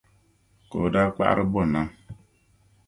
Ka o daa kpaɣiri m-bɔ nam.